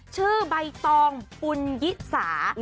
ชื่อใบตองปุนยิสา